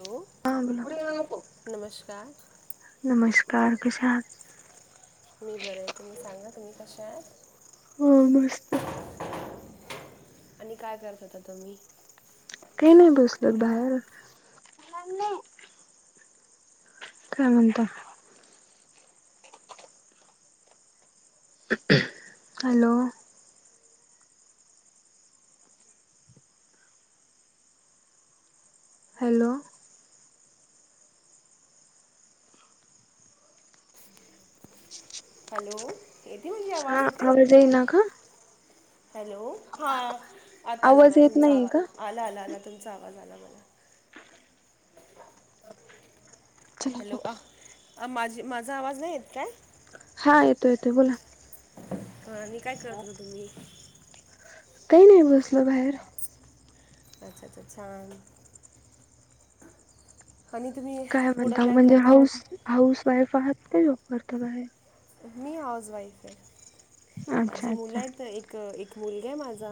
Hello हा ब नमस्कार नमस्कार. कार कशात? मी बर आहे तुम्ही सांगा तुम्ही कश आहे. हा मस्त. आणि काय करत होता तुम्ही काही नाही बसल बाहेर. काय म्हणत. हॅलो. हॅलो. हॅलो. येते माझी हा आवाज येते आवाज येईना का. हॅलो हां आता आला आवाज मला येत तुमचा नाहीये आवाज का आला आला आला तुमचा आवाज आला मला हॅल. चला माझी माझा आवाज नाही येत काय? हा येतो येतोय बोला. हा आणि काय करतो का तुम्ही? काही नाही बसल बाहेर. अच्छा अच्छाच्छान. काय म्हणत म्हणजे हाऊस हाऊस वाईफ आहात. काय झप करतो बाहे. मी हाऊस वईफ आहे. अच्छा माझी अच्छा मुलं आहेत एक मुलगे माझा.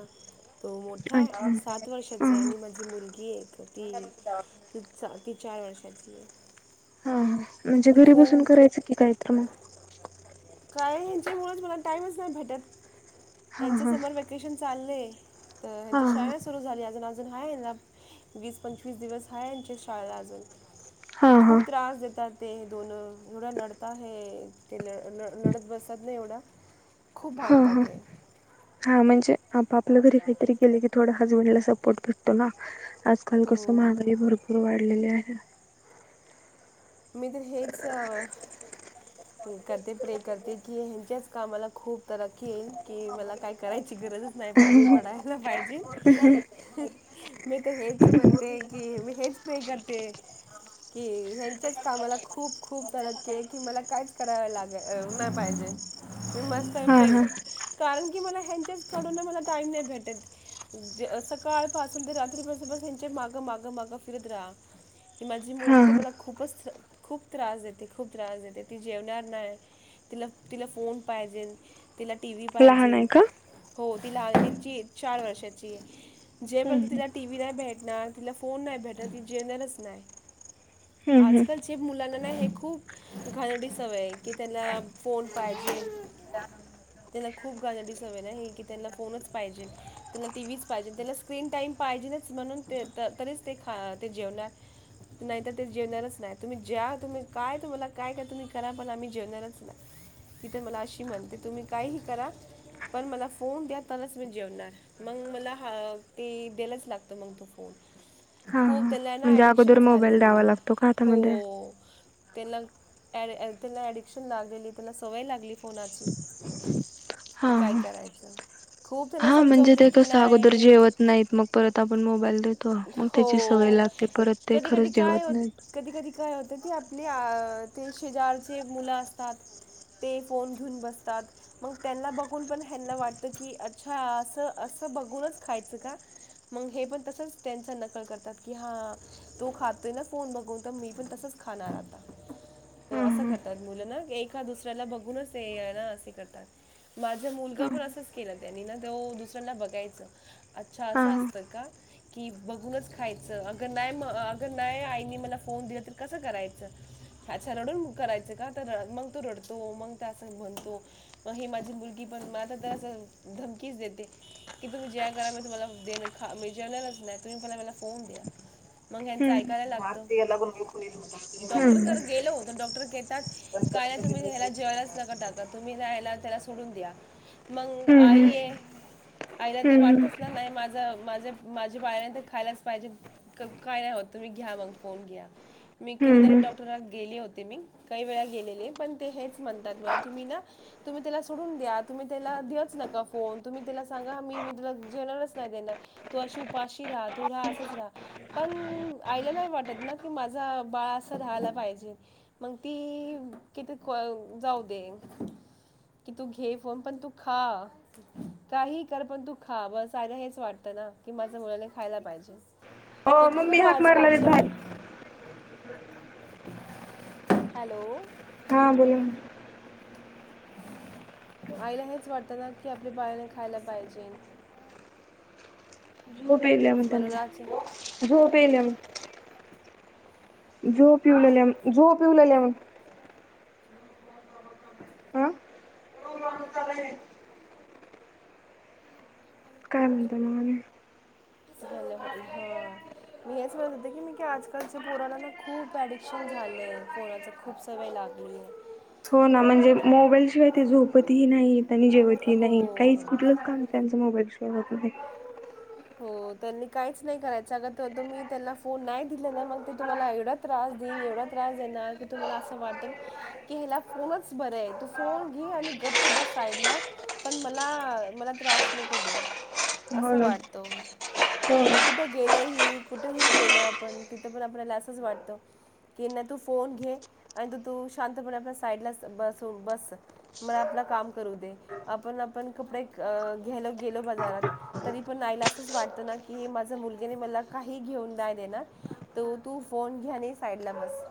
तो मोठा आहे अच्छा सात ह हा वर्षाचा आहे आणि माझी मुलगी एक ती ती ती चार वर्षाची जे हा, हा. म्हणजे घरी बसून करायचं की काही तर मग. काय ह्यांच्यामुळेच मला टाइमच नाही भेटतं. हा ह्यांचं हा समर व्हॅकेशन चालले तर हा हेंची शाळा नाय सुरु झाली अ अजून हाय ना वीस, पंचवीस दिवस हाय यांची शाळा अजून. ते हा हा खूप त्रास देतात ते दोन एवढा लढता हे ते ल ल लढत बसत नाही एवढं खूप हा हा भांडतात हे. हा म्हणजे आप आपल्या घरी काहीतरी गेले की थोडा हसबंडला सपोर्ट भेटतो ना. आजकाल कस हो महागाई भरपूर वाढलेली आहे. [inaudible] मी तर हेच करते प्रे करते की हेंच्याच कामाला खूप तरकी येईल की मला काय करायची गरजच नाही पड पडायला पाहिजे. मी तर हेच म्हणते की, मी हेच प्रे करते की हेंच्याच कामाला खूप खूप तरक्की आहे की मला कायच करावं लागे नाही पाहिजे. मी मस्त हा फ हा. कारण की मला ह्यांच्याचकडूनून मला टाईम नाही भेटत जे सकाळपासून ते रात्रीपासून बस ह्यांच्या मागं मागं मागं फिरत राहा. की माझी हा मुलगी तर हा मला खूपच खूप त्रास देते, खूप त्रास देते. ती जेवणार नाही, तिला, तिला फोन पाहिजेल. तिला टी व्ही लहान आहे पाहिजेल. का? हो ती लाग तची आहे चार वर्षाची आहे. जे हम्म पर्यंत हम्म. तिला टी व्ही नाही भेट ना तिला फोन नाही भेटत ती जेवनारच नाही. हम्म, हम्म. आजकालचे मुलांना ना हे खूप घाणेरडी सवय आहे, की त्याला फोन पाहिजे, त्याला खूप गाणं दिसवं ना हे कि त्यांला फोनच पाहिजे, त्याला टीव्हीच पाहिजे, त्याला स्क्रीन टाइम पाहिजेच म्हणून तरीच ते ख ते जेवणार नाहीतर ते जेवणारच नाहीत. तुम्ही ज्या तुम्ही काय तुमाला काय काय तुम्ही करा पण आम्ही जेवणारच नाही. तिथ मला अशी म्हणते तुम्ही काहीही करा पण मला फोन द्या, तरच मी जेवणार. मग मला हा ते द्यालाच लागत मग तो फोन. हा, खूप हा त्याला ना म्हणजे ॲडिक्शन अगोदर मोबाईल झालेली द्यावा आहे लागतो का तर मग द हो त्याला त्याला ऍडिक्शन लागलेली, त्याला सवय लागली फोनाची, तर हा काय हा. करायचं? खूप त्याला हा म्हणजे समजवते ते की कसं अगोदर नाही जेवत नाहीत, मग परत आपण मोबाईल दे हो कधी, कधी खरंच काय जेवत होत, नाहीत. कधी कधी काय होत ती आपले अ ते शेजारचे मुलं असतात ते फोन घेऊन बसतात, मग त्यांना बघून पण ह्यांना वाटत की अच्छा असं असं बघूनच खायचं का. मग हे पण तसंच त्यांच्या नकल करतात. की हा तो खातोय ना फोन बघून, तर मी पण तसच खाणार आता. तर हा असं करतात मुलं ना की एखाद दुसऱ्याला बघूनच ते हाय ना असे करतात. माझा हा मुलगा पण असंच केला त्यांनी ना तो दुसऱ्यांला बघायच अच्छा हा असं असतं का कि बघूनच खायचं अगर नाही म अगर नाही आईने मला फोन दिला तर कसं करायचं. अच्छा रडून करायचं का तर मग तो रडतो, मग असं म्हणतो, मग हे माझी मुलगी पण मला तर अस धमकीच देते. की तुम्ही ज्या करा म तुम्हाला देण मग जेवणारच नाही‌ तुम्ही पहिला मला फोन द्या. मग ह्यांच हम्म ऐकायला लागतं. हम्म डॉक्टरकर गेलो, तर डॉक्टर घेतात काय ना तुम्ही ह्याला जेवायलाच नका टाका तुम्ही याला त्याला सोडून द्या. मग हम्म आई हम्म. हम्म ये आईला तर हम्म वाटतच ना नाही माझ मा [unintelligible] माझ्या बा खायलाच पाहिजे काय नाही होत तुम्ही घ्या मग फोन घ्या मी हम्म कितीतरी हम्म. डॉक्टर गेले होते मी काही वेळा गेलेले पण ते हेच म्हणतात मला तुम्ही ना तुम्ही त्याला सोडून द्या तुम्ही त्याला दच नका फोन तुम्ही त्याला सांगा म मी तला जेणारच नाही देणार त अशी माशी राहा तू राहा असंच राहा पण आयला नाही वाटत ना कि माझा बाळ असा राहाला पाहिजे मग ती किती जाऊ दे कि तू घे फन पण तू खा काही कर पण तू खा बस आयला हेच वाटतं ना की माझ्या मुलाने खायला पाहिजे हो हे मम्मी खूप हाक आजकालचे मारलाारी हॅलो हा बोला आईला हेच वाटतं ना कि आपल्या बाळाने खायला पाहिजे झोपेल म्ह म्हणून आज त्यां झोपेलम जो पिऊला जो पिऊला लाेवन हं काय म्हणता मग आणि हॅल हा मी हेच म्हणत होते की मी आजकालच्या पोराला ना खूप ऍडिक्शन झालंय फोनाचा खूप सवय लागलीय हो ना म्हणजे मोबाईलशिवाय ते झोपतही नाही आणि जेवत नाही काहीच हो. कुठेचल त्यांचं मग बश हो त्यांनी काहीच नाही करायचं अग तुम्ही त्यांना फोन नाही दिले ना मग ते तुम्हाला एवढा त्रास देईन एवढा त्रास देणार की तुम्हाला असं वाटेल की ह्याला फोनच बर आहे तू फोन घे आणि गप्प बस साईडला पण मला मला त्रास नको दे हो असं ना वाट हो. कुठ गेल ह कुठही गेल आपण तिथ पण आपल्याला कुठे कुठे गेलही कुठे ही गेल आपण तीते पण आपल्याला असंच वाटत, की ना तू फोन घे, आणि तू तू शांतपणे आपल्या साईडला बस बस मला आपलं काम करू दे आपण आपण कपडे घ्याल गेलो बाजारात तरी पण आईला असंच वाटतं ना की माझ्या मुलगीने मला काही घेऊन द देणार त तू फोन घ्याने साईडला बस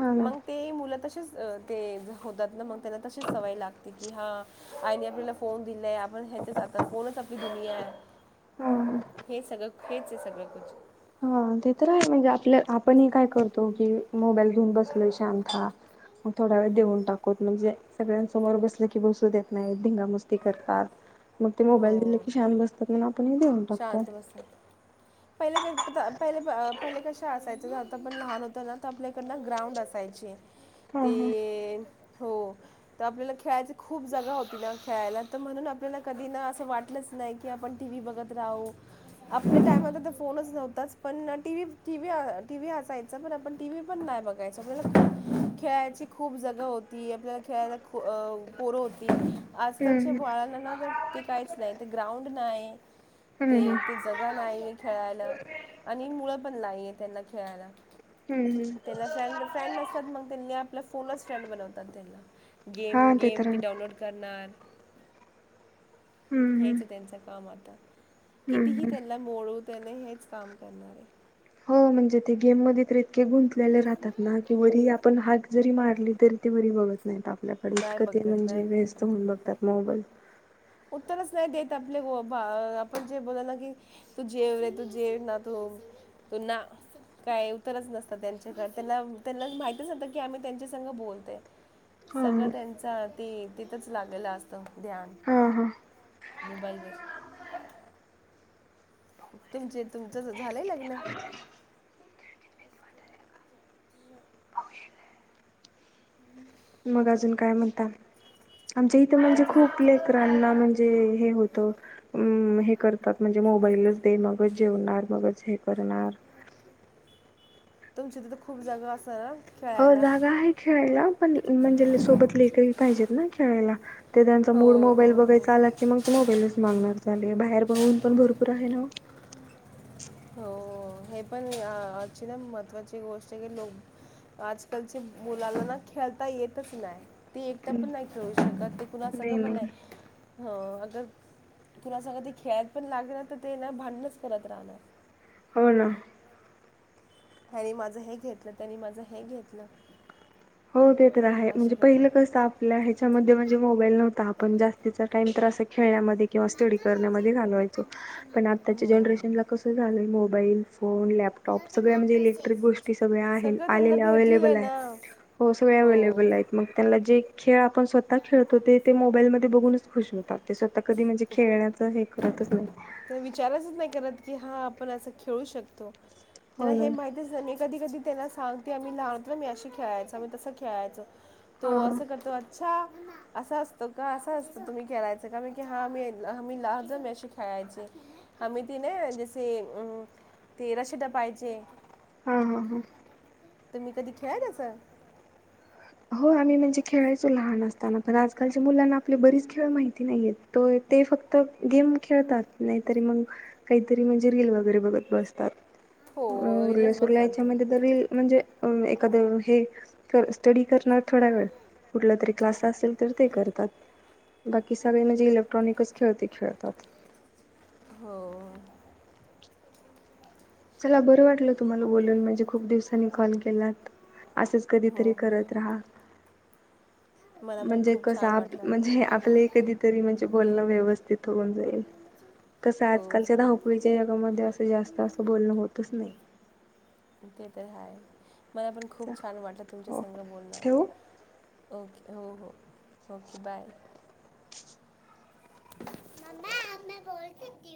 हा ना मग ते मुलं तसेच ते होतात ना मग त्यांना तशीच सवय लागते. की हा आईने आपल्याला फोन दिलाय आपण ह्याच्याच आता फोनच आपली दुनिया आहे. हा हा. हे सगळं [unintelligible] आहे. सगळं कुच हा ते तर आहेय म्हणजे आपलं आपण हे काय करतो की, मोबाईल घेऊन बसलोय शांत मग थोडा वेळ देऊन टाकू, म्हणजे सगळ्यांसमोर बसलं की बसू देत नाही. दंगा मस्ती करतात. मग ते मोबाईल दिले हो क ान बसतात, मग आपण देऊन टाकतो. शांत बसत, पहिलेहि पहिले कशा असायच आता पण लहान होत ना तर आपल्याकडन ग्राउंड असायचे हा ते हा. हो, तर आपल्याला खेळायची खूप जागा होती ना खेळायला तर म्हणून आपल्याला कधी ना असं वाटलंच नाही की आपण टीव्ही बघत राहू आपल्या टायम फोनच नव्हताच पण टीव्ही, टीव्ही असायचा पण आपण टीव्ही पण नाही बघायच, आपल्याला खेळायची खूप जग होती, आपल्याला खेळायला पोर होती. आजकालच्या हम्म हम्म. बाळ ना तर ते काहीच नाही ते ग्राउंड नाही. ते हम्म हम्म. ते जगा नाही. खेळायला, आणि मुलं पण नाही त्यांना खेळायला. हम्म हम्म. त्यांना फ्रेंड फ्रेंड असतात मग त्यांनी आपल्या फोनलाच फ्रेंड बनवतात त्यानला गेम हा ते गेम तर ती आहे. डाउनलोड करणार. हम्म हम्म. हेच त्यांच काम आता हम्म कितीही हम्म. त्यांना [unintelligible] त्याना हेच काम करणारे हो म्हणजे ते गेम म गुंतले राहतात, ना की आपण हा जरी मारली तरी ते बरी बघत आपल्याकडे नाही इतकं ते बघत म्हणजे व्यस्त नाही होऊन बघतात मोबाईल उत्तरच नाही देत आपले आपण जे बोला ना की तू जेव रे तू जेव ना तू, तू ना काय उत्तरच नसत त्यांच्याकडे त्यां त्यांना माहतीच नसत की आम्ही त्यांच्या संग बोलत. हा सगळं हा. त्यांच ते तिथच लागलेलं असत ध्यान हा हा. मोबाईल वर तुमचे तुमचं झालंय लग्न? मग अजून काय म्हणता, आमच्या इथं म्हणजे तुमचं झा- खूप लेकरांना म्हणजे हे होतं हे करतात म्हणजे मोबाईलच दे मगच जेवणार मगच हे करणार, तुमची तिथं खूप जागा असा हो जागा आहे खेळायला पण म्हणजे सोबत लेकरही पाहिजेत ना खेळायला, ते त्यांचा हो मूड मोबाईल हो हो. बघायचां आला की मग ते मोबाईलच मागणार ले बाहेर पण ऊन पण भरपूर आहे ना हो हे पण अशी ना महत्त्वाची गोष्ट आहे. की लोक आजकालच्या मुलाला ना खेळता येतच नाही. ते एकट पण नाही खेळू शकत, ते कुणा संंग पण नाही. ह अगर तुला सग ते खेळायला पण लागल ना तर ते ना भांडणच करत राहणार. हो ना त्यांनी माझं हे घेतलं त्यांनी माझं हे घेतलं. हो ते तर आहे अशी म्हणजे पहिलं करते कस आपल्या ह्याच्यामध्ये म्हणजे मोबाईल नव्हता, आपण जास्तीचा टाइम तर अस खेळण्यामध्ये किंवा स्टडी करण्यामध्ये घालवायचो, पण आत्ताच्या हो जनरेशनला कसं झालंय मोबाईल, फोन, लॅपटॉप सगळ्या म्हणजे, इलेक्ट्रिक गोष्टी सगळ्या आहेत सगळं त्यांना आलेल्या भेटलेलं अवलेबल आहे. ना हो सगळे हो अवेलेबल आहेत, मग त्यांना जे खेळ आपण स्वतः खेळतो ते मोबाईलमध्ये ते बघूनच खुश होतात ते सतत कधी म्हणजे खेळण्याचं हे करतच नाही. पण असं खेळू शकतो. त्याला हो हे ना माहितंच नाय मी कधीकधी त्याला सांगते अं मी लहानपणी आम्ही असं खेळायचं आम्ही तसं खेळायचं हा तो असं करतो, अच्छा असं असतो का असं असतो तुम्ही खेळायचं का मी हा मी आ्ही लाह अशी खेळायचे आम्ही ती नाय का जसे अम ते रशी टपायचे हा हा हा तुम्ही कधी खेळलाय तसं हो आम्ही म्हणजे खेळायचो लहान असताना पण आजकालच्या मुलांना आपली बरीच खेळ माहिती नाहीयेत त ते फक्त गेम खेळतात नाहीतरी मग काहीतरी म्हणजे रील वगैरे बघत बसतात. हो अ उरलं रीलच सुरलं बघतात याच्यामध्ये तर रील म्हणजे, अ एखादं हे स्टडी करणार थोडा वेळ कुठला तरी क्लास असेल तर ते करतात बाकी सगळे म्हणजे इलेक्ट्रॉनिकच खेळ ते खेळतात. हो चला बरं वाटलं तुम्हाला बोलून म्हणजे खूप दिवसांनी कॉल केलात. असंच हो कधीतरी हो करत राहा. मला पण म्हणजे खूप छान कसं वाटलं म्हणजे आपलं ही कधीतरी म्हणजे बोलणं व्यवस्थित होऊन जाईल. कसं हो आजकालच्या हो धावपळीच्या जगामध्ये असं जास्त असं बोलणं होतच नाही. ते तर हाय मला पण खूप छान वाटलं तुमच्या हो संग बोलणं ठेवू? ओके हो हो ओके बाय मम्मा अब मे बोल सकती ह